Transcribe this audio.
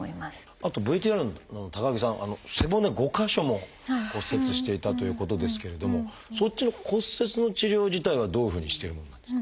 あとＶＴＲの高木さん背骨５か所も骨折していたということですけれどもそっちの骨折の治療自体はどういうふうにしてるものなんですか？